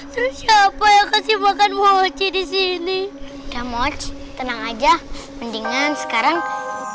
terus siapa yang kasih makan mochi disini udah moch tenang aja mendingan sekarang